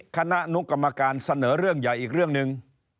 คณะอนุกรรมการเสนอเรื่องใหญ่อีกเรื่องหนึ่ง